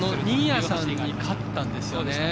新谷さんに勝ったんですよね。